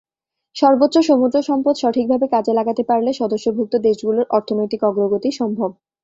সর্বোচ্চ সমুদ্র সম্পদ সঠিকভাবে কাজে লাগাতে পারলে সদস্যভুক্ত দেশগুলোর অর্থনৈতিক অগ্রগতি সম্ভব।